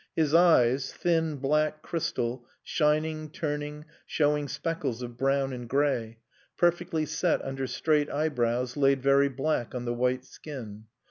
His eyes thin, black crystal, shining, turning, showing speckles of brown and gray; perfectly set under straight eyebrows laid very black on the white skin.